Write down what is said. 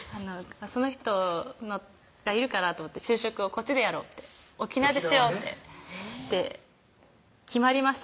その人がいるからと思って就職をこっちでやろうって沖縄でしようって沖縄で決まりました